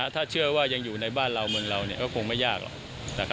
ถ้าเชื่อว่ายังอยู่ในบ้านเราเมืองเราก็คงไม่ยากหรอก